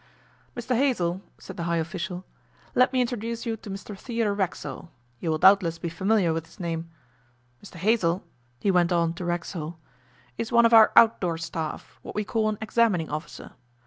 'Mr Hazell,' said the high official, 'let me introduce you to Mr Theodore Racksole you will doubtless be familiar with his name. Mr Hazell,' he went on to Racksole, 'is one of our outdoor staff what we call an examining officer.